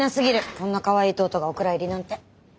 こんなかわいいトートがお蔵入りなんて。